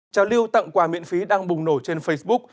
trào lưu tặng quà miễn phí đang bùng nổ trên facebook